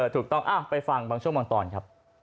ถูกต้องไปฟังบางช่วงบางตอนครับ